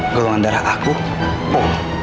golongan darah aku po